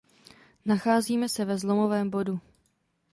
Nacházíme se ve zlomovém bodu.